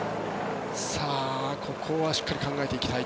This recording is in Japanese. ここはしっかり考えていきたい。